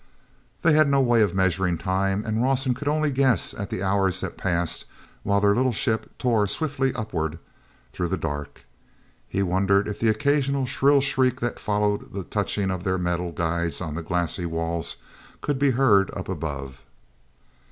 hey had no way of measuring time, and Rawson could only guess at the hours that passed while their little ship tore swiftly upward through the dark. He wondered if the occasional shrill shriek that followed the touching of their metal guides on the glassy walls could be heard up above.